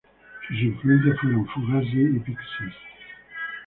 Sus influencias fueron Fugazi y Pixies.